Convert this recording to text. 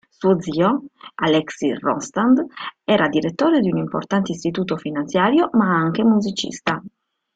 Suo zio, Alexis Rostand, era direttore di un importante istituto finanziario, ma anche musicista.